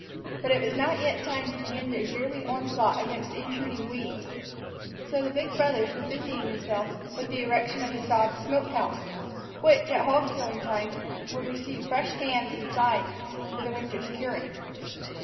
But it was not yet time to begin the yearly onslaught against intruding weeds, so the big brothers were busying themselves with the erection of a sod smoke house, which, at hog killing time, would receive fresh hams and sides for the winter's curing.